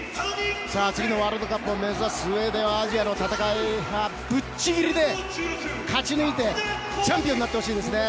次のワールドカップを目指すうえではアジアの戦いはぶっちぎりで勝ち抜いてチャンピオンになってほしいですね。